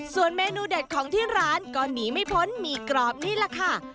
ส่วนเมนูเด็ดของที่ร้านก็หนีไม่พ้นหมี่กรอบนี่แหละค่ะ